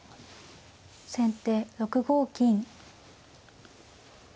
先手６五金。